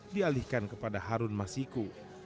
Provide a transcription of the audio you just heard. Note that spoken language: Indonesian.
dialihkan kepada harun masiku